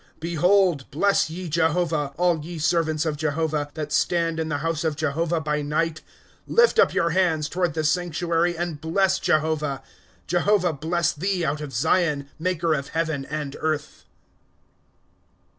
' Behold, bless ye Jehovah, All ye servants of Jehovah, That stand in the house of Jehovah by night. ^ Lift up your hands toward the sanctuary, And bless Jehovah. * Jehovah bless thee out of Zion, Maker of heaven and earth.